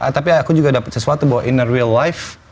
tapi aku juga dapat sesuatu bahwa in a real life